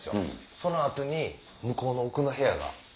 その後に向こうの奥の部屋が。